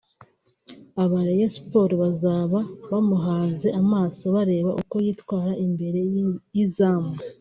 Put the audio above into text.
aba-Rayon Sports bazaba bamuhanze amaso bareba uko yitwara imbere y’izamu